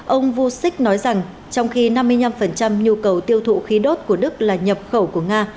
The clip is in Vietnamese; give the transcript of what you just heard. ông vô sik nói rằng trong khi năm mươi năm nhu cầu tiêu thụ khí đốt của đức là nhập khẩu của nga